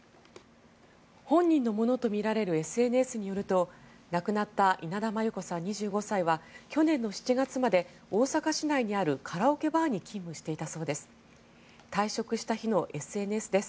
本人のものとみられるＳＮＳによると亡くなった稲田真優子さん、２５歳は去年の７月まで大阪市内にあるカラオケバーに勤務していたそうです。